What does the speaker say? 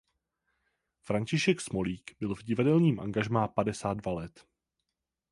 František Smolík byl v divadelním angažmá padesát dva let.